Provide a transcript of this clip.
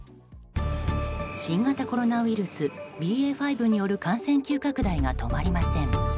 新型コロナウイルスＢＡ．５による感染急拡大が止まりません。